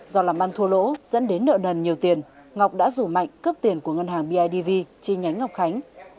do làm ăn thua lỗ dẫn đến nợ nần nhiều tiền ngọc đã rủ mạnh cướp tiền của ngân hàng bidv chi nhánh ngọc khánh